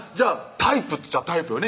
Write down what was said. タイプっちゃタイプよね